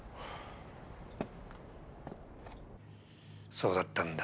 そうだったんだ。